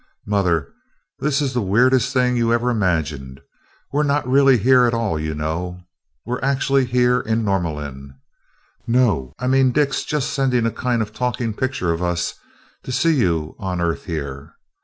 "Mother? This is the weirdest thing you ever imagined. We're not really here at all you know we're actually here in Norlamin no, I mean Dick's just sending a kind of a talking picture of us to see you on earth here....